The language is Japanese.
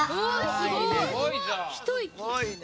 すごいね。